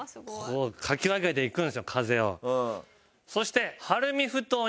そして。